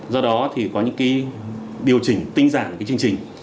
do đó thì có những điều chỉnh tinh giản của chương trình